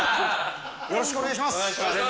よろしくお願いします。